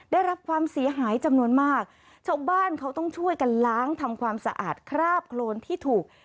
ได้รับความเสียหายจำนวนมากชาวบ้านเขาต้องช่วยกันล้างทำความสะอาดคราบโครนที่ถูก